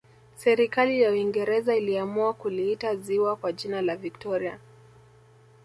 serikali ya uingereza iliamua kuliita ziwa kwa jina la victoria